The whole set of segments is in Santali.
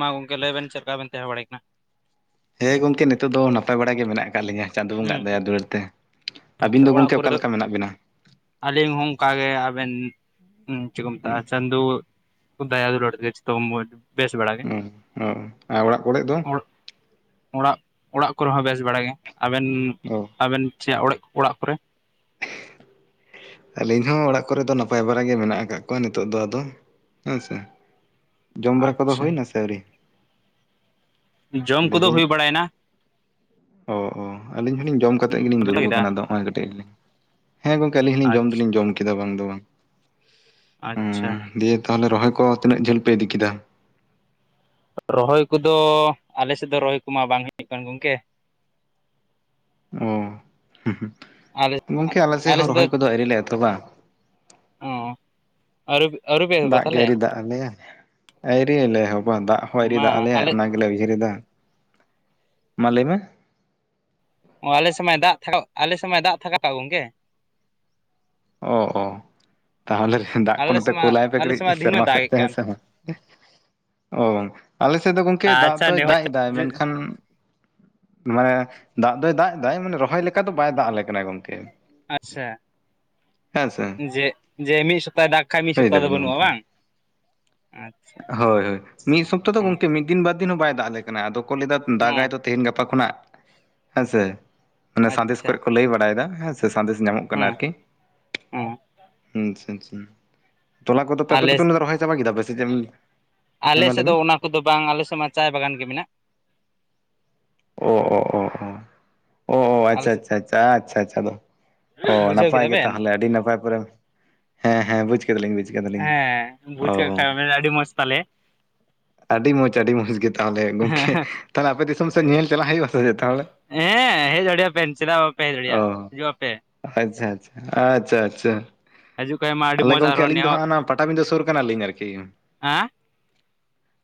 ᱢᱟ ᱜᱚᱢᱠᱮ ᱞᱟᱹᱭ ᱵᱮᱱ ᱥᱮ‌ ᱚᱠᱟᱨᱮ ᱵᱮᱱ ᱛᱟᱦᱮᱸ ᱵᱟᱲᱟᱭ ᱠᱟᱱᱟ? ᱦᱮᱸ ᱜᱚᱢᱠᱮ ᱱᱤᱛᱳᱜ ᱫᱚ ᱱᱟᱯᱟᱭ ᱵᱟᱲᱟ ᱜᱮ ᱢᱮᱱᱟᱜ ᱟᱠᱟᱫ ᱞᱤᱧᱟᱹ ' ᱪᱟᱸᱫᱳ ᱵᱚᱸᱜᱟ ᱦᱩᱸ ᱟᱜ ᱫᱟᱭᱟ ᱫᱩᱞᱟᱹᱲ ᱛᱮ,, ᱟᱵᱤᱱ ᱫᱚ ᱜᱚᱢᱠᱮ ᱚᱠᱟ ᱞᱮᱠᱟ ᱢᱮᱱᱟᱜ ᱵᱤᱱᱟ? ᱟᱞᱤᱝ ᱦᱚᱸ ᱚᱝᱠᱟᱜᱮ ᱟᱵᱮᱱ ᱪᱮᱜ ᱠᱚ ᱢᱮᱛᱟᱜ-ᱟ ᱦᱩᱸ ᱪᱟᱸᱫᱳ ᱫᱟᱭᱟ ᱫᱩᱞᱟᱹᱲ ᱛᱮ ᱡᱷᱚᱛᱢ ᱢᱚᱡᱽ ᱾ ᱵᱮᱹᱥ ᱵᱮᱲᱟ ᱜᱮ, ᱦᱩᱸ ᱟᱨ ᱚᱲᱟᱜ ᱠᱚᱨᱮ ᱫᱚ? ᱚᱸᱲᱚᱡ ᱚᱸᱲᱟᱜ ᱾ ᱚᱲᱟᱜ ᱠᱚᱨᱮ ᱦᱚᱸ ᱵᱮᱹᱥ ᱵᱟᱲᱟ ᱜᱮ, ᱟᱵᱮᱱ ᱛᱳ ᱾ ᱟᱵᱮᱱ ᱪᱷᱮᱭᱟ ᱜ ᱚᱲᱮᱡ ᱚᱲᱟᱜ ᱠᱚᱨᱮ? ᱟᱹᱞᱤᱧ ᱦᱚᱸ ᱚᱲᱟᱜ ᱠᱚᱨᱮ ᱫᱚ ᱱᱟᱯᱟᱭ ᱵᱟᱨᱟᱜᱮ ᱢᱮᱱᱟᱜ ᱟᱠᱟᱜ ᱠᱚᱣᱟ ᱱᱤᱛᱚᱜ ᱫᱚ ᱟᱫᱚ ᱦᱮᱸ ᱥᱮ ᱾ ᱡᱚᱢ ᱵᱟᱨᱟ ᱠᱚᱫᱚ ᱟᱪᱪᱷᱟ ᱦᱳᱭ ᱱᱟ ᱥᱮ ᱟᱹᱣᱨᱤ? ᱡᱚᱢ ᱠᱚᱫᱚ ᱞᱟᱹᱭᱫᱟᱹᱧ ᱦᱳᱭ ᱵᱟᱲᱟᱭᱮᱱᱟ ᱾ ᱚ ᱚ ᱟᱹᱞᱤᱧ ᱦᱩᱞᱤᱧ ᱡᱚᱢ ᱠᱟᱛᱮᱜ ᱜᱤᱞᱤᱧ ᱵᱮᱱ ᱫᱩᱨᱩᱵ ᱠᱮᱫᱟ ᱟᱠᱟᱱᱟ ᱟᱫᱚ ᱦᱚᱸᱜ-ᱚᱭ ᱠᱟᱹᱴᱤᱡ ᱞᱤᱧ, ᱦᱮᱸ ᱜᱚᱝ ᱟᱹᱞᱤᱧ ᱦᱩᱞᱤᱧ ᱡᱚᱢ ᱟᱪᱪᱷᱟ ᱫᱩᱞᱤᱧ ᱡᱚᱢ ᱠᱮᱫᱟ ᱵᱟᱝ ᱫᱚ ᱵᱟᱝ ᱥ-ᱩ-ᱜ ᱾ ᱟᱪ-ᱪᱷᱟ ᱾ ᱫᱤᱭᱮᱹ ᱛᱟᱞᱦᱮ ᱨᱚᱦᱚᱭ ᱠᱚ ᱛᱤᱱᱟᱹᱜ ᱡᱷᱟᱹᱞ ᱯᱮ ᱤᱫᱤ ᱠᱮᱫᱟ? ᱨᱚᱦᱚᱭ ᱠᱚᱫᱚ ᱟᱞᱮ ᱥᱮᱫ ᱫᱚ ᱨᱚᱦᱚᱭ ᱠᱚᱢᱟ ᱵᱟᱝ ᱦᱳᱭᱳᱜ ᱠᱟᱱ ᱜᱚᱝᱠᱮ ᱚ ᱷᱩᱸᱦ ᱷᱩᱸᱦ, ᱟᱞᱮ ᱜᱚᱝᱠᱮ ᱟᱞᱮ ᱥᱮᱜ ᱦᱚᱸ ᱨᱚᱦᱚᱭ ᱠᱚᱫᱚ ᱟᱹᱣᱨᱤ ᱞᱮ ᱮᱛᱚᱦᱚᱵᱟ ᱾ ᱚᱻ ᱾ ᱟᱹᱣᱨᱤᱯ ᱟᱹᱣᱨᱤ ᱯᱮ? ᱮᱦᱚᱵᱟ ᱫᱟᱜ ᱜᱮ ᱛᱟᱦᱚᱞᱮ ᱟᱹᱭᱨᱤ ᱫᱟᱜ ᱟᱞᱮᱭᱟ ᱟᱹᱭᱨᱤᱭ ᱞᱮᱦᱚᱵᱟ ᱫᱟᱜ ᱦᱚᱸ ᱟᱹᱭᱨᱤ ᱢᱟ ᱫᱟᱜ ᱟᱞᱮᱭᱟᱭ ᱟᱞᱮ ᱚᱱᱟ ᱞᱮ ᱩᱭᱦᱟᱹᱨᱮᱫᱟ, ᱢᱟ ᱞᱟᱹᱭ ᱢᱮ? ᱚ ᱟᱞᱮ ᱥᱮᱜ ᱢᱟᱭ ᱫᱟᱜ ᱪᱷᱟᱲᱚᱜ ᱟᱞᱮ ᱥᱮᱜ ᱢᱟᱭ ᱫᱟᱜ ᱛᱷᱟᱠᱟᱣ ᱜᱚᱝᱠᱮ ᱚ -ᱚ ᱾ ᱛᱟᱦᱞᱮ ᱷᱮᱦ, ᱫᱟᱜ ᱠᱚ ᱟᱞᱮ ᱱᱚᱛᱮ ᱥᱮᱫ ᱢᱟ ᱠᱳᱞᱟᱭ ᱯᱮ ᱟᱞᱮ ᱥᱮᱫ ᱢᱟ ᱠᱟᱹᱴᱤᱡ ᱫᱤᱱᱟᱹᱢ ᱥᱮᱨᱢᱟ ᱫᱟᱜ ᱥᱮᱫ ᱮᱫ ᱛᱮ ᱠᱟᱱ ᱦᱮᱸᱥᱮ ᱵᱟ ᱝ ᱮ-ᱜᱦ-ᱮ ᱾ ᱚ ᱟᱞᱮ ᱥᱮᱫ ᱫᱚ ᱜᱚᱝᱠᱮ ᱫᱟᱜ ᱟᱪᱪᱷᱟ ᱛᱚᱭ ᱱᱮ ᱦᱚᱲ ᱫᱟᱜ ᱮᱫᱟᱭ ᱢᱮᱱᱠᱷᱟᱱ ᱢᱟᱱᱮ ᱫᱟᱜ ᱫᱚᱭ ᱫᱟᱜ ᱫᱟ ᱢᱟᱱᱮ ᱨᱚᱦᱚᱭ ᱞᱮᱠᱟ ᱫᱚ ᱵᱟᱭ ᱫᱟᱜ ᱟᱞᱮ ᱠᱟᱱᱟᱭ ᱜᱚᱝᱠᱮ ᱾ ᱟᱪ-ᱪᱷᱟ ᱥᱮ ᱡᱮ, ᱡᱮ ᱢᱤᱜ ᱥᱚᱯᱛᱟᱭ ᱫᱟᱜ ᱠᱷᱟᱡ ᱢᱤᱜ ᱞᱟᱹᱭ ᱥᱚᱯᱛᱟ ᱫᱚ ᱫᱟᱵᱤᱱ ᱵᱟᱹᱱᱩᱜᱼᱟ ᱜᱚᱝᱠᱮ ᱵᱟᱝ ᱾ ᱟᱪᱷᱟ᱾ ᱦᱳᱭ ᱦᱳᱭ ᱢᱤᱜ ᱥᱚᱯᱛᱚ ᱫᱚ ᱜᱚᱝᱠᱮ ᱢᱤᱜ ᱫᱤᱱ ᱵᱟᱨ ᱫᱤᱱ ᱦᱚᱸ ᱵᱟᱭ ᱫᱟᱜ ᱟᱞᱮ ᱠᱟᱱᱟᱭ ᱟᱫᱚ ᱠᱚ ᱞᱟᱹᱭᱫᱟ ᱦᱚᱸ ᱫᱟᱜᱟᱭ ᱫᱚ᱾ ᱛᱮᱦᱮᱱ ᱜᱟᱯᱟ ᱠᱷᱚᱱᱟᱜ ᱦᱮᱸᱥᱮ ᱢᱟᱱᱮ ᱥᱟᱸᱫᱮᱥ ᱟᱪᱪᱷᱟ ᱠᱚᱨᱮᱜ ᱠᱚ ᱞᱟᱹᱭ ᱵᱟᱲᱟᱭᱮᱫᱟ ᱦᱮᱸ ᱥᱮ᱾ ᱥᱮ ᱥᱟᱸᱫᱮᱥ ᱧᱟᱢᱚᱜ ᱠᱟᱱᱟ ᱦᱚᱸ ᱟᱨᱠᱤ ᱦᱚᱸ ᱟᱪᱷᱟ ᱟᱪᱷᱟ᱾ ᱛᱚᱞᱟ ᱠᱚᱫᱚᱯᱮ ᱟᱯᱮ ᱟᱞᱮ ᱫᱚᱯᱮ ᱞᱮᱫᱟ ᱨᱚᱦᱚᱭ ᱪᱟᱵᱟ ᱠᱮᱫᱟ ᱯᱮ ᱥᱮᱪᱮᱜ᱾ ᱟᱞᱮᱥᱮᱜ ᱫᱚ ᱚᱱᱟ ᱠᱚᱫᱚ ᱵᱟᱝ ᱟᱞᱮᱥᱮᱜ ᱢᱟ ᱪᱟᱭ ᱵᱟᱜᱟᱱ ᱜᱮ ᱢᱮᱱᱟᱜ᱾ ᱚ ᱚ ᱚ ᱚ᱾ ᱚ ᱚ ᱚ ᱟᱞᱮ ᱟᱪᱷᱟ ᱥᱮᱫ ᱟᱪᱷᱟ ᱟᱪᱷᱟ ᱟᱪᱷᱟ ᱟᱪᱷᱟ ᱟᱫᱚ ᱚ ᱵᱩᱡᱷᱟᱹᱣ ᱱᱟᱯᱟᱭ ᱠᱮᱫᱟ ᱜᱮ ᱵᱮᱱ ᱛᱟᱦᱚᱞᱮ ᱟᱹᱰᱤ ᱱᱟᱯᱟᱭ ᱯᱚᱨᱮᱢ᱾ ᱦᱮᱸ ᱦᱮᱸ ᱵᱩᱡᱷ ᱠᱟᱫᱟᱞᱤᱧ ᱵᱩᱡᱷ᱾ ᱦᱮᱸ ᱵᱩᱡᱽ ᱠᱟᱜ ᱠᱷᱟᱜ ᱵᱮᱱ ᱟᱹᱰᱤ ᱢᱚᱸᱡᱽ ᱛᱟᱞᱦᱮ᱾ ᱟᱹᱰᱤ ᱢᱚᱸᱡᱽ ᱟᱹᱰᱤ ᱢᱚᱸᱡᱽ ᱜᱮ ᱛᱟᱦᱚᱞᱮ ᱜᱚᱝᱠᱮ ᱛᱟᱦᱚᱞᱮ ᱟᱯᱮ ᱫᱤᱥᱚᱢ ᱥᱮᱜ ᱧᱮᱧᱮᱞ ᱪᱟᱞᱟᱜ ᱦᱩᱭᱩᱜᱼᱟ ᱥᱮᱪᱮᱫ ᱛᱟᱦᱚᱞᱮ᱾ ᱦᱮᱸ ᱦᱮᱡ ᱫᱟᱲᱮᱭᱟᱜᱼᱟ ᱯᱮ ᱪᱮᱫᱟᱜ ᱵᱟᱯᱮ ᱦᱮᱡ ᱫᱟᱲᱮᱭᱟᱜᱼᱟ ᱦᱤᱡᱩᱜ ᱟᱯᱮ ᱾ ᱟᱪᱷᱟ ᱟᱪᱷᱟ ᱟᱪᱷᱟ ᱟᱪᱷᱟ᱾ ᱦᱤᱡᱩᱜ ᱠᱷᱟᱡ ᱢᱟ ᱟᱹᱰᱤ ᱛᱟᱦᱚᱞᱮ ᱢᱚᱸᱡᱽ ᱜᱚᱝᱠᱮ ᱟᱨᱦᱚᱸ ᱟᱹᱞᱤᱧ ᱫᱚ ᱱᱮᱦᱚᱨ ᱦᱟᱸᱜ ᱚᱱᱟ ᱯᱟᱴᱟᱵᱤᱸᱫᱟᱹ ᱥᱩᱨ ᱠᱟᱱᱟᱞᱤᱧ ᱟᱨᱠᱤ᱾ ᱦᱮᱸ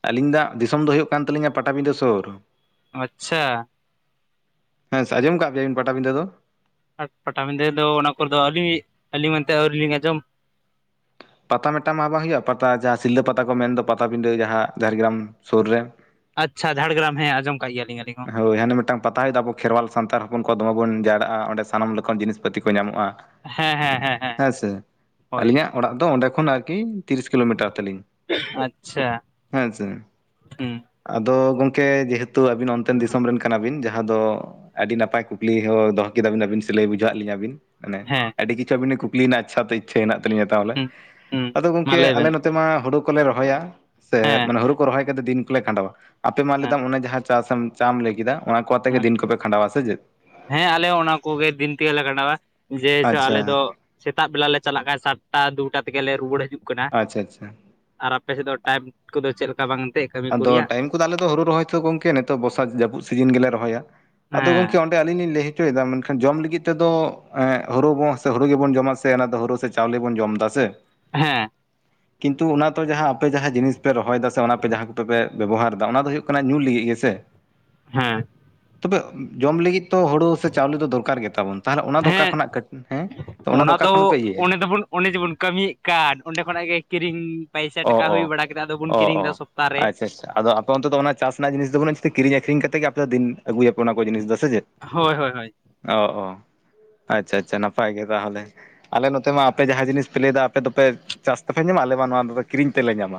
ᱟᱹᱞᱤᱧ ᱫᱟᱜ ᱫᱤᱥᱚᱢ ᱫᱚ ᱦᱩᱭᱩᱜ ᱠᱟᱱ ᱛᱟᱹᱞᱤᱧᱟ ᱯᱟᱴᱟᱵᱤᱸᱫᱟᱹ ᱥᱳᱨ᱾ ᱟᱪᱷᱟ᱾ ᱦᱮᱸᱥ ᱟᱸᱡᱚᱢ ᱠᱟᱜ ᱜᱮᱭᱟᱵᱤᱱ ᱯᱟᱴᱟᱵᱤᱸᱰᱟᱹ ᱫᱚ᱾ ᱯᱟᱴ ᱯᱟᱴᱟᱵᱤᱸᱫᱟᱹ ᱫᱚ ᱚᱱᱟ ᱠᱚᱨᱮ ᱫᱚ ᱟᱹᱞᱤ ᱟᱹᱞᱤᱧ ᱢᱟᱛᱚ ᱟᱹᱣᱨᱤ ᱞᱤᱧ ᱟᱸᱡᱚᱢ᱾ ᱯᱟᱛᱟ ᱢᱮᱜᱴᱟᱝ ᱢᱟ ᱵᱟᱝ ᱦᱳᱭᱳᱜᱼᱟ ᱯᱟᱛᱟ ᱡᱟᱦᱟᱸ ᱥᱤᱞᱫᱟᱹ ᱯᱟᱛᱟ ᱠᱚ ᱢᱮᱱᱫᱚ ᱯᱟᱛᱟ ᱵᱤᱸᱰᱟᱹ ᱡᱟᱦᱟᱸ ᱡᱷᱟᱲᱜᱨᱟᱢ ᱥᱳᱨ ᱨᱮ᱾ ᱟᱪᱷᱟ ᱡᱷᱟᱲᱜᱨᱟᱢ ᱦᱮᱸ ᱟᱸᱡᱚᱢ ᱠᱟᱜ ᱜᱮᱭᱟᱞᱤᱧ ᱟᱹᱞᱤᱧ᱾ ᱦᱚᱸ ᱦᱳᱭ ᱦᱟᱱᱮ ᱢᱮᱜᱴᱟᱝ ᱯᱟᱛᱟ ᱦᱳᱭᱳᱜ ᱫᱚ ᱟᱵᱚ ᱠᱷᱮᱨᱣᱟᱞ ᱥᱟᱱᱛᱟᱲ ᱦᱚᱯᱚᱱ ᱠᱚᱣᱟᱜ ᱫᱚᱢᱮ ᱵᱚᱱ ᱡᱟᱣᱲᱟᱜᱼᱟ ᱚᱸᱰᱮ ᱥᱟᱱᱟᱢ ᱞᱮᱠᱟᱱ ᱡᱤᱱᱤᱥ ᱯᱟᱹᱛᱤ ᱠᱚ ᱧᱟᱢᱚᱜᱼᱟ᱾ ᱦᱮᱸ ᱦᱮᱸ ᱦᱮᱸ ᱦᱮᱸ ᱦᱮᱸᱥᱮ ᱦᱳᱭ ᱟᱹᱞᱤᱧᱟᱜ ᱚᱲᱟᱜ ᱫᱚ ᱚᱸᱰᱮ ᱠᱷᱚᱱ ᱟᱨᱠᱤ ᱛᱤᱨᱤᱥ ᱠᱤᱞᱳᱢᱤᱴᱟᱨ ᱛᱟᱹᱞᱤᱧ ᱾ ᱟᱪᱷᱟ ᱦᱩᱸ᱾ ᱟᱫᱚ ᱜᱚᱢᱠᱮ ᱡᱮᱦᱮᱛᱩ ᱟᱵᱤᱱ ᱚᱱ᱾ ᱛᱮᱱ ᱫᱤᱥᱚᱢ ᱨᱮᱱ ᱠᱟᱱᱟᱵᱤᱱ ᱡᱟᱦᱟᱸ ᱫᱚ ᱟᱹᱰᱤ ᱱᱟᱯᱟᱭ ᱠᱩᱠᱞᱤ ᱦᱚᱸ ᱫᱚᱦᱚ ᱠᱮᱫᱟᱵᱤᱱ ᱟᱵᱤᱱ ᱥᱮ ᱞᱮᱭ ᱵᱩᱡᱷᱟᱹᱣᱟᱜ ᱞᱤᱧᱟᱹ ᱵᱤᱱ᱾ ᱢᱟᱱᱮ ᱦᱮᱸ ᱟᱹᱰᱤ ᱠᱤᱪᱷᱩ ᱟᱹᱵᱤᱱ ᱱᱟᱜ ᱠᱩᱠᱞᱤ ᱱᱟᱜ ᱟᱪᱪᱷᱟ ᱛᱮ ᱤᱪᱪᱷᱟ ᱦᱮᱱᱟᱜ ᱤᱪᱪᱷᱟᱹ ᱦᱮᱱᱟᱜ ᱛᱟᱞᱤᱧᱟ ᱛᱟᱦᱚᱞᱮ ᱦᱩᱸ ᱦᱩᱸ ᱟᱫᱚ ᱢᱟ ᱜᱚᱝᱠᱮ ᱞᱟᱹᱭ ᱟᱞᱮ ᱵᱮᱱ ᱱᱚ᱾ ᱛᱮ ᱢᱟ ᱦᱳᱲᱳ ᱠᱚᱞᱮ ᱨᱚᱦᱚᱭᱟ ᱥᱮ ᱦᱮᱸ ᱢᱟᱱᱮ ᱦᱩᱲᱩ ᱠᱚ ᱨᱚᱦᱚᱭ ᱠᱟᱛᱮ ᱫᱤᱱ ᱠᱚᱞᱮ ᱠᱷᱟᱸᱰᱟᱣᱟ ᱟᱯᱮᱢᱟ ᱦᱮᱸ ᱞᱮᱫᱟᱢ ᱚᱱᱮ ᱡᱟᱦᱟᱸ᱾ ᱪᱟᱥᱮᱢ ᱪᱟᱢ ᱞᱟᱹᱭ ᱠᱮᱫᱟ ᱚᱱᱟ ᱠᱚ ᱟᱛᱮᱜ ᱜᱮ ᱦᱮᱸ ᱫᱤᱱ ᱠᱚᱯᱮ ᱠᱷᱟᱸᱰᱟᱣᱟ ᱥᱮ ᱪᱮᱫ᱾ ᱦᱮᱸ ᱟᱞᱮ ᱚᱱᱟ ᱠᱚᱜᱮ ᱫᱤᱱ ᱛᱮᱜᱮᱞᱮ ᱠᱟᱴᱟᱣᱟ ᱡᱮᱭ ᱥᱮ ᱟᱪᱪᱷᱟ ᱟᱞᱮ ᱫᱚ᱾ ᱥᱮᱛᱟᱜ ᱵᱮᱞᱟ ᱞᱮ ᱪᱟᱞᱟᱜ ᱠᱷᱟᱡ ᱥᱟᱛᱴᱟ ᱫᱩᱴᱟ ᱛᱮᱜᱮᱞᱮ ᱨᱩᱣᱟᱹᱲ ᱦᱤᱡᱩᱜ ᱠᱟᱱᱟ ᱟᱪᱪᱷᱟ ᱟᱪᱪᱷᱟ ᱟᱨ᱾ ᱟᱯᱮᱥᱮᱫ ᱫᱚ ᱴᱟᱭᱤᱢ ᱠᱚᱫᱚ ᱪᱮᱫ ᱞᱮᱠᱟ ᱵᱟᱝ ᱮᱱᱛᱜ ᱠᱟᱹᱢᱤ ᱠᱚ ᱟᱫᱚ ᱨᱮᱭᱟᱜ ᱾ ᱴᱟᱭᱤᱢ ᱟᱞᱮ ᱫᱚ ᱦᱩᱲᱩ ᱨᱚᱦᱚᱭ ᱛᱚ ᱜᱚᱝᱠᱮ ᱱᱤᱛᱚᱜ ᱵᱚᱨᱥᱟ ᱡᱟᱹᱯᱩᱫ ᱥᱤᱡᱤᱱ ᱜᱮᱞᱮ ᱨᱚᱦᱭᱟ ᱟᱫᱚ ᱦᱮᱸ ᱜᱚᱝᱠᱮ ᱚᱸᱰᱮ ᱟᱧᱤᱧ ᱞᱤᱧ ᱞᱟᱹᱭᱼᱟ ᱾ ᱢᱮᱱᱠᱷᱟᱱ ᱡᱚᱢ ᱞᱟᱹᱜᱤᱫ ᱛᱮᱫᱚ ᱦᱩᱲᱩ ᱥᱮ ᱦᱩᱲᱩ ᱜᱮᱵᱚᱱ ᱡᱚᱢᱟ ᱥᱮ ᱦᱩᱲᱩ᱾ ᱪᱟᱣᱞᱮ ᱵᱚᱱ ᱡᱚᱢ ᱫᱟ ᱥᱮ ᱾ ᱦᱮᱸ᱾ ᱠᱤᱱᱛᱩ ᱚᱱᱟ ᱛᱚ ᱡᱟᱦᱟᱸ ᱟᱯᱮ ᱡᱟᱦᱟᱸ ᱡᱤᱱᱤᱥ ᱯᱮ ᱨᱚᱦᱚᱭ ᱫᱟ ᱥᱮ ᱚᱱᱟ ᱯᱮ ᱡᱟᱦᱟᱸ᱾ ᱫᱚ ᱟᱯᱮᱯᱮ ᱵᱮᱵᱚᱦᱟᱨ ᱮᱫᱟ ᱚᱱᱟ ᱫᱚ ᱦᱳᱭᱳᱜ ᱠᱟᱱᱟ ᱧᱩ ᱞᱟᱹᱜᱤᱫ ᱜᱮᱥᱮ ᱾ ᱦᱮᱸ᱾ ᱛᱚᱵᱮ ᱡᱚᱢ ᱞᱟᱹᱜᱤᱫ ᱛᱚ ᱦᱩᱲᱩ ᱥᱮ ᱪᱟᱣᱞᱮ ᱫᱚᱨᱠᱟᱨ ᱜᱮ ᱛᱟᱵᱚᱱ ᱾ ᱛᱟᱦᱚᱞᱮ ᱚᱱᱟ ᱫᱚ ᱠᱟ ᱦᱮᱸ ᱠᱷᱚᱱᱟᱜ ᱠᱟᱹᱴ ᱦᱮᱸ ᱛᱚ ᱚᱱᱟ ᱫᱚ ᱠᱟ ᱠᱷᱚᱱ ᱯᱮ ᱤᱭᱟᱹᱭᱟ ᱾ ᱫᱚᱵᱚᱱ ᱚᱸᱰᱮ ᱡᱮᱵᱚᱱ ᱠᱟᱹᱢᱤᱭᱮᱫ ᱠᱟᱱ ᱚᱸᱰᱮ ᱠᱷᱚᱱᱟᱜ ᱜᱮ ᱠᱤᱨᱤᱧ᱾ ᱯᱟᱭᱥᱟ ᱚ ᱴᱟᱠᱟ ᱚ ᱦᱩᱭ ᱵᱟᱲᱟ ᱠᱮᱫᱟ ᱟᱫᱚ ᱵᱚᱱ ᱚ ᱠᱤᱨᱤᱧ ᱚ ᱮᱫᱟ ᱥᱚᱯᱛᱟᱨᱮ ᱾ ᱟᱪᱪᱷᱟ ᱟᱫᱚ᱾ ᱛᱚ ᱚᱱᱛᱮ ᱫᱚ ᱚᱱᱟ ᱪᱟᱥ ᱨᱮᱱᱟᱜ ᱡᱤᱱᱤᱥ ᱫᱚ ᱵᱟᱹᱱᱩᱜ ᱠᱤᱨᱤᱧ ᱟᱠᱷᱨᱤᱧ ᱠᱟᱛᱮ ᱜᱮ ᱟᱯᱮ ᱫᱤᱱ ᱟᱹᱜᱩᱭ ᱟᱯᱮ ᱚᱱᱟ ᱠᱚ ᱡᱤᱱᱤᱥ ᱫᱚ ᱥᱮᱪᱮᱫ ᱾ ᱦᱳᱭ ᱦᱳᱭ ᱦᱳᱭ ᱾ ᱚ ᱚ ᱟᱪᱷᱟ ᱟᱪᱷᱟ ᱱᱟᱯᱟᱭ ᱜᱮ ᱛᱟᱦᱚᱞᱮ ᱾ ᱟᱞᱮ ᱱᱚᱛᱮ ᱢᱟ ᱟᱯᱮ ᱡᱟᱦᱟᱸ ᱡᱤᱱᱤᱥ ᱯᱮ ᱞᱟᱹᱭᱮᱫᱟ ᱟᱯᱮ ᱫᱚᱯᱮ ᱪᱟᱥ ᱛᱮᱯᱮ ᱧᱟᱢᱟ ᱟᱞᱮ ᱢᱟ ᱱᱚᱣᱟ ᱠᱤᱨᱤᱧ ᱛᱮᱞᱮ ᱧᱟᱢᱟ ᱾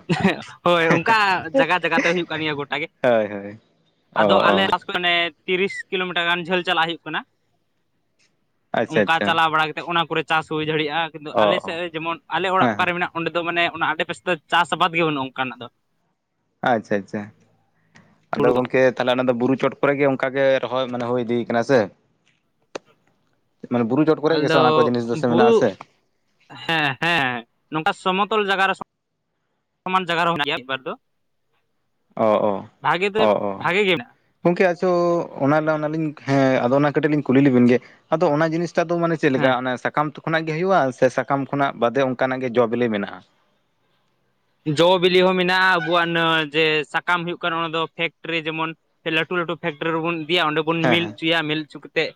ᱦᱳᱭ ᱚᱱᱠᱟ ᱡᱟᱭᱜᱟ ᱡᱟᱭᱜᱟᱛᱮ ᱦᱩᱭᱩᱜ ᱠᱟᱱ ᱜᱮᱭᱟ ᱜᱚᱴᱟ ᱜᱮ ᱦᱳᱭ ᱦᱳᱭ ᱚ ᱟᱫᱚ ᱚ ᱟᱞᱮ ᱢᱟᱱᱮ ᱛᱤᱨᱤᱥ ᱠᱤᱞᱳᱢᱤᱴᱟᱨ ᱜᱟᱱ ᱡᱷᱟᱹᱞ ᱪᱟᱞᱟᱜ ᱦᱩᱭᱩᱜ ᱠᱟᱱᱟ ᱾ ᱟᱪᱪᱷᱟ ᱚᱱᱠᱟ ᱟᱪᱪᱷᱟ ᱪᱟᱞᱟᱣ ᱵᱟᱲᱟ ᱠᱟᱛᱮᱜ ᱚᱱᱟ ᱠᱚᱨᱮ ᱪᱟᱥ ᱦᱩᱭ ᱫᱟᱲᱮᱭᱟᱜᱼᱟ ᱠᱤᱱᱛᱩ ᱚ ᱟᱞᱮ ᱚ ᱥᱮᱫ ᱡᱮᱢᱚᱱ ᱟᱞᱮ ᱚᱲᱟᱜ ᱦᱮᱸ ᱦᱮᱸ ᱚᱠᱟᱨᱮ ᱢᱮᱱᱟᱜ ᱚᱸᱰᱮ ᱫᱚ ᱢᱟᱱᱮ ᱚᱱᱟ ᱟᱰᱮ ᱯᱟᱥᱮ ᱫᱚ ᱪᱟᱥ ᱟᱵᱟᱫᱽ ᱜᱮ ᱵᱟᱹᱱᱩᱜᱼᱟ ᱚᱱᱠᱟᱱᱟᱜ ᱫᱚ᱾ ᱟᱪᱷᱟ ᱟᱪᱷᱟ ᱟᱫᱚ‌ ᱦᱩᱲᱩ ᱫᱚ ᱜᱚᱝ ᱠᱮ ᱛᱟᱦᱞᱮ ᱚᱱᱟ ᱫᱚ ᱵᱩᱨᱩ ᱪᱚᱴ ᱠᱚᱨᱮ ᱜᱮ ᱚᱱᱠᱟᱜᱮ ᱨᱚᱦᱚᱭ ᱢᱟᱱᱮ ᱦᱩᱭ ᱤᱫᱤᱭ ᱠᱟᱱᱟ ᱥᱮ ᱾ ᱢᱟᱱᱮ ᱵᱩᱨᱩ ᱪᱚᱴ ᱠᱚᱨᱮ ᱜᱮᱥᱮ ᱟᱞᱮᱫᱚ ᱚᱱᱟ ᱠᱚ ᱡᱤᱱᱤᱥ ᱫᱚᱥᱮ ᱢᱮᱱᱟᱜ ᱵᱩᱨᱩ ᱟᱥᱮ ᱾ ᱦᱮᱸ ᱦᱮᱸ ᱱᱚᱝᱠᱟ ᱥᱚᱢᱚᱛᱚᱞ ᱡᱟᱭᱜᱟ ᱨᱮ ᱥᱚᱢᱟᱱ ᱡᱟᱭᱜᱟ ᱨᱮᱦᱚ ᱢᱮᱱᱟᱜ ᱜᱮᱭᱟ ᱢᱤᱫ-ᱵᱟᱨ ᱫᱚ ᱾ ᱚ ᱫᱚ ᱚ᱾ ᱵᱷᱟᱜᱮ ᱜᱮ ᱢᱮᱱᱟᱜᱼᱟ ᱜᱚᱝᱠᱮ ᱟᱪᱚ ᱚᱱᱟ ᱚᱱᱟᱞᱤᱧ ᱦᱮᱸ ᱟᱫᱚ ᱚᱱᱟ ᱠᱟᱹᱴᱤᱡ ᱞᱤᱧ ᱠᱩᱞᱤ ᱞᱮᱵᱮᱱ ᱜᱮ ᱟᱫᱚ ᱚᱱᱟ ᱡᱤᱱᱤᱥ [inaudible] ᱫᱚ ᱢᱟᱱᱮ ᱪᱮᱫ ᱞᱮᱠᱟ ᱦᱮᱸ ᱚᱱᱟ ᱥᱟᱠᱟᱢ ᱠᱷᱚᱱᱟᱜ ᱜᱮ ᱦᱩᱭᱩᱜᱼᱟ ᱥᱮ ᱥᱟᱠᱟᱢ ᱠᱷᱚᱱᱟᱜ ᱵᱟᱫᱮ ᱚᱱᱠᱟᱱᱟᱜ ᱜᱮ ᱡᱚ ᱵᱤᱞᱤ ᱢᱮᱱᱟᱜ-ᱟ᱾ ᱢᱮᱱᱟᱜᱼᱟ ᱾ ᱡᱚ ᱵᱤᱞᱤ ᱦᱚᱸ ᱢᱮᱱᱟᱜᱼᱟ ᱟᱵᱚᱣᱟᱜ ᱱᱚᱣᱟ ᱡᱮ ᱥᱟᱠᱟᱢ ᱦᱩᱭᱩᱜ ᱠᱟᱱᱟ ᱚᱱᱟ ᱫᱚ ᱯᱷᱮᱠᱴᱨᱤ ᱡᱮᱢᱚᱱ ᱥᱮ ᱞᱟᱹᱴᱩ ᱞᱟᱹᱴᱩ ᱯᱷᱮᱠᱴᱨᱤ ᱨᱮᱵᱚᱱ ᱤᱫᱤᱭᱟ ᱚᱸᱰᱮ ᱵᱚᱱ ᱦᱮᱸ ᱢᱤᱞ ᱦᱮᱸ ᱦᱚᱪᱚᱭᱟ ᱢᱤᱞ ᱦᱚᱪᱚ ᱠᱟᱛᱮᱫ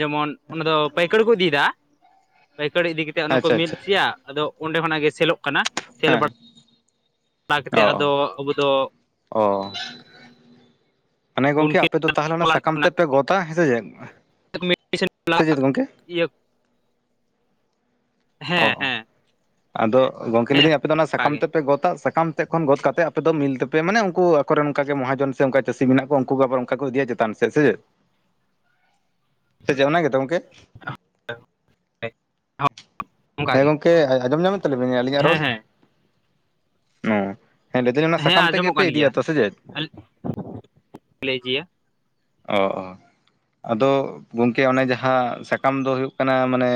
ᱡᱮᱢᱚᱱ ᱚᱱᱟ ᱫᱚ ᱯᱟᱹᱭᱠᱟᱹᱨ ᱠᱚ ᱤᱫᱤᱭᱫᱟ ᱾ ᱯᱟᱹᱭᱠᱟᱹᱨ ᱤᱫᱤ ᱠᱟᱛᱮ ᱚᱱᱟ ᱠᱚ ᱟᱪᱪᱷᱟ ᱢᱤᱞ ᱟᱪᱪᱷᱟ ᱦᱚᱪᱚᱭᱟ ᱟᱫᱚ ᱚᱸᱰᱮ ᱠᱷᱚᱱᱟᱜ ᱜᱮ ᱥᱮᱞᱚᱜ ᱠᱟᱱᱟ ᱥᱮᱞ ᱦᱮᱸ ᱵᱟᱲᱟ ᱠᱟᱛᱮᱫ ᱟᱫᱚ ᱟᱵᱚ ᱫᱚ ᱚᱻ ᱢᱟᱱᱮ ᱵᱚᱱ ᱜᱚᱝᱠᱮ ᱟᱯᱮ ᱫᱚ ᱛᱟᱦᱚᱞᱮ ᱚᱱᱟ ᱥᱟᱠᱟᱢ ᱛᱮᱫᱯᱮ ᱜᱚᱫᱟ ᱦᱮᱸᱥᱮ ᱪᱮᱫ᱾ ᱥᱮ ᱪᱮᱫ ᱜᱚᱝᱠᱮ [unintelligible] ᱚ ᱦᱮᱸ ᱟᱫᱚ ᱜᱚᱢᱠᱮ ᱦᱮᱸ ᱦᱮᱸ ᱞᱤᱫᱟᱹᱧ ᱟᱯᱮ ᱫᱚ ᱚᱱᱟ ᱚᱱᱠᱟ ᱥᱟᱠᱟᱢ ᱜᱮ ᱛᱮᱫᱯᱮ ᱜᱚᱫᱟ ᱥᱟᱠᱟᱢ ᱥᱮᱫ ᱠᱷᱚᱱ ᱜᱚᱫ ᱠᱟᱛᱮ ᱟᱯᱮ ᱢᱤᱞ ᱛᱮᱯᱮ ᱢᱟᱱᱮ ᱩᱱᱠᱩ ᱟᱠᱚᱨᱮᱱ ᱚᱱᱠᱩ ᱜᱮ ᱢᱚᱦᱟᱡᱚᱱ ᱥᱮ ᱚᱱᱠᱟ ᱪᱟᱹᱥᱤ ᱢᱮᱱᱟᱜ ᱠᱚᱣᱟ ᱩᱱᱠᱩ ᱜᱮ ᱛᱟᱯᱚᱨ ᱚᱱᱠᱟ ᱠᱚ ᱤᱫᱤᱭᱟ ᱪᱮᱛᱟᱱ ᱥᱮᱫ ᱥᱮᱪᱮᱫ [unintelligible] ᱥᱮ ᱪᱮᱫ ᱚᱱᱟ ᱜᱮᱛᱚ ᱜᱚᱢᱠᱮ? [unintelligible] ᱚᱱᱠᱟ ᱦᱮᱸ ᱜᱮ ᱜᱚᱝᱠᱮ ᱟᱸᱡᱚᱢ ᱧᱟᱢᱮᱫ ᱛᱟᱞᱤᱧ ᱵᱮᱱ ᱟᱹᱞᱤᱧᱟᱜ ᱨᱚᱲ? ᱦᱮᱸ ᱦᱮᱸ ᱦᱮᱸ ᱞᱟᱹᱭ ᱫᱟᱹᱞᱤᱧ ᱚᱱᱟ ᱦᱮᱸ ᱥᱟᱠᱟᱢ ᱛᱮᱜ ᱟᱸᱡᱚᱢᱚᱜ ᱜᱮ ᱯᱮ ᱠᱟᱱ ᱜᱮᱭᱟ ᱤᱫᱤᱭᱟᱛᱚ ᱥᱮ ᱪᱮᱫ? [unintelligible] ᱚ ᱚ, ᱟᱫᱚ ᱜᱚᱢᱠᱮ ᱚᱱᱮ ᱡᱟᱦᱟᱸ ᱥᱟᱠᱟᱢ ᱫᱚ ᱦᱩᱭᱩᱜ ᱠᱟᱱᱟ ᱢᱟᱱᱮ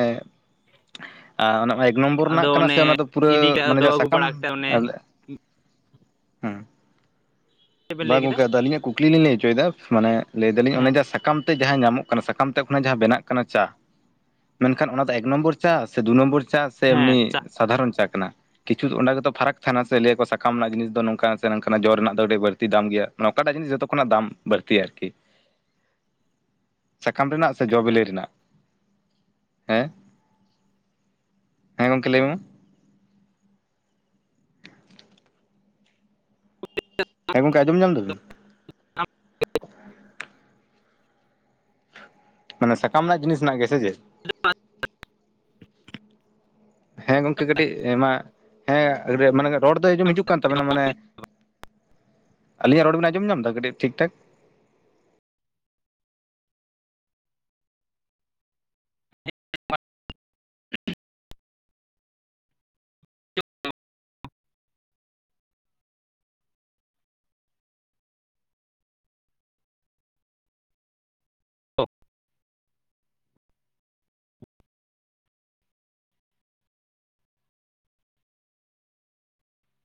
ᱟᱨ ᱚᱱᱟ ᱮᱠ ᱱᱚᱢᱵᱚᱨ ᱨᱮᱱᱟᱜ ᱟᱫᱚ ᱠᱟᱱᱟ ᱥᱮ ᱚᱱᱮ ᱚᱱᱟ ᱫᱚ ᱯᱩᱨᱟᱹ ᱤᱫᱤ ᱠᱟᱜ ᱢᱟᱱᱮ ᱫᱚ ᱡᱟᱦᱟ ᱟᱹᱜᱩ ᱥᱟᱠᱟᱢ ᱵᱟᱲᱟ ᱠᱟᱛᱮᱫ ᱚᱱᱮ [unintelligible] ᱦᱮᱸ, ᱪᱮᱫ ᱵᱮᱱ ᱞᱟᱹᱭ ᱵᱟᱝ ᱠᱮᱫᱟ ᱜᱚᱝᱠᱮ ᱟᱹᱞᱤᱧᱟᱜ ᱠᱩᱠᱞᱤ ᱞᱤᱧ ᱞᱟᱹᱭ ᱦᱚᱪᱚᱭᱮᱫᱟ ᱢᱟᱱᱮ ᱞᱟᱹᱭ ᱫᱟᱞᱤᱧ ᱦᱮᱸ ᱚᱱᱮ ᱡᱟ ᱥᱟᱠᱟᱢ ᱛᱮ ᱡᱟᱦᱟᱸ ᱧᱟᱢᱚᱜ ᱠᱟᱱᱟ ᱥᱟᱠᱟᱢ ᱛᱮ ᱠᱷᱚᱱᱟᱜ ᱡᱟᱦᱟᱸ ᱵᱮᱱᱟᱜ ᱠᱟᱱᱟ ᱪᱟ ᱢᱮᱱᱠᱷᱟᱱ ᱚᱱᱟ ᱫᱚ ᱮᱠ ᱱᱚᱢᱵᱚᱨ ᱪᱟ ᱥᱮ ᱫᱩ ᱱᱚᱢᱵᱚᱨ ᱪᱟ ᱥᱮ ᱦᱮᱸ ᱮᱢᱱᱤ ᱥᱟᱫᱷᱟᱨᱚᱱ ᱪᱟ ᱠᱟᱱᱟ᱾ ᱠᱤᱪᱷᱩ ᱚᱸᱰᱮ ᱜᱮᱛᱚ ᱯᱷᱟᱨᱟᱠ ᱛᱟᱦᱮᱱᱟ ᱥᱮ ᱞᱟᱹᱭᱟᱠᱚ ᱥᱟᱠᱟᱢ ᱨᱮᱱᱟᱜ ᱡᱤᱱᱤᱥ ᱫᱚ ᱱᱚᱝᱠᱟᱱᱟᱜ ᱥᱮ ᱱᱚᱝᱠᱟᱱᱟᱜ ᱡᱚ ᱨᱮᱱᱟᱜ ᱫᱚ ᱟᱹᱰᱤ ᱵᱟᱹᱲᱛᱤ ᱫᱟᱢ ᱜᱮᱭᱟ᱾ ᱚᱠᱟᱴᱟᱜ ᱡᱤᱱᱤᱥ ᱡᱚᱛᱚ ᱠᱷᱚᱱᱟᱜ ᱫᱟᱢ ᱵᱟᱹᱲᱛᱤᱭᱟ ᱟᱨᱠᱤ᱾ ᱥᱟᱠᱟᱢ ᱨᱮᱱᱟᱜ ᱥᱮ ᱡᱚ ᱵᱮᱞᱮ ᱨᱮᱱᱟᱜ, ᱦᱮᱸ ᱦᱮᱸ ᱜᱚᱝᱠᱮ ᱞᱮᱢᱮ᱾ [inaudible] ᱦᱮᱸ ᱜᱚᱝᱠᱮ ᱟᱡᱚᱢ ᱧᱟᱢᱟ ᱫᱟᱵᱤᱱ? [unintelligible] ᱢᱟᱱᱮ ᱥᱟᱠᱟᱢ ᱨᱮᱱᱟᱜ ᱡᱤᱱᱤᱥ ᱢᱮᱱᱟᱜ ᱜᱮᱭᱟ ᱥᱮ ᱪᱮᱫ? [unintelligible] ᱦᱮᱸ ᱜᱚᱝᱠᱮ ᱠᱟᱹᱴᱤᱡ ᱟᱭᱢᱟ ᱦᱮᱸ ᱟᱹᱰᱤ ᱢᱟᱱᱮ ᱨᱚᱲ ᱫᱚ ᱟᱸᱡᱚᱢ ᱦᱤᱡᱩᱜ ᱠᱟᱱ ᱛᱟᱵᱮᱱᱟ ᱢᱟᱱᱮ, ᱟᱞᱤᱧᱟᱜ ᱨᱚᱲ ᱵᱮᱱ ᱟᱸᱡᱚᱢ ᱧᱟᱢ ᱮᱫᱟ ᱠᱟᱹᱴᱤᱡ ᱴᱷᱤᱠ ᱴᱷᱟᱠ? [unintelligible]